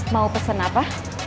mau pesen apa